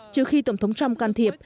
trừ khi tổng thống trump can thiệp